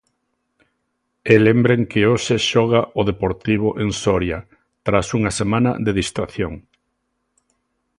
E lembren que hoxe xoga o Deportivo en Soria tras unha semana de distracción.